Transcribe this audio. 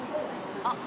あっ。